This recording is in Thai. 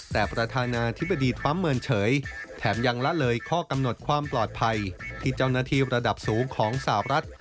แต่ประธานาธิบดีทรัมป์เมินเฉยแถมยังละเลยข้อกำหนดความปลอดภัยที่เจ้าหน้าที่ระดับสูงของสาวรัฐ